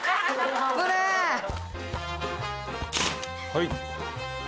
はい。